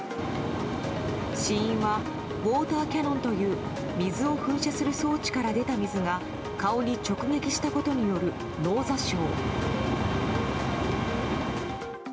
死因はウォーターキャノンという水を噴射する装置から出た水が顔に直撃したことによる脳挫傷。